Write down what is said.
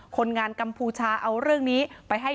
คนงานกัมพูชาเอาเรื่องนี้ไปให้